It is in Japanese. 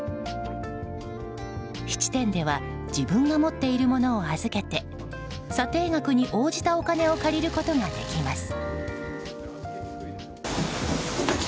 質店では自分が持っているものを預けて査定額に応じたお金を借りることができます。